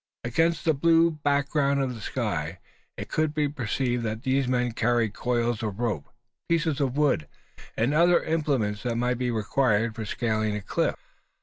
Against the blue background of the sky, it could be perceived that these men carried coils of rope, pieces of wood, and other implements that might be required for scaling a cliff.